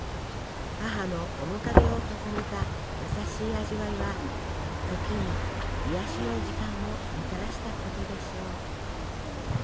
母の面影を重ねた優しい味わいは時に癒やしの時間をもたらしたことでしょう。